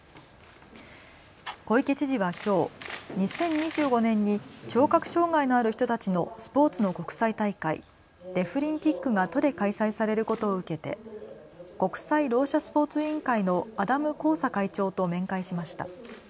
小池知事はきょう、２０２５年に聴覚障害のある人たちのスポーツの国際大会、デフリンピックが都で開催されることを受けて国際ろう者スポーツ委員会のアダム・コーサ会長と面会しました。